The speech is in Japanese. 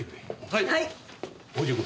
はい。